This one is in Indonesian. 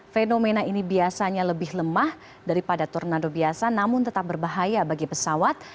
fenomena ini biasanya lebih lemah daripada tornando biasa namun tetap berbahaya bagi pesawat